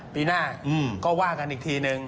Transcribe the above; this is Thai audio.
ปีหน้าก็ว่ากันอีกทีนึง